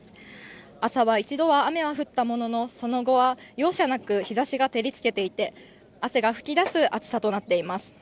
朝は一度は雨は降ったもののその後は容赦なく日ざしが照りつけていて、汗が噴き出す暑さとなっています。